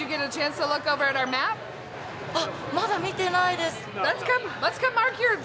あっまだ見てないです。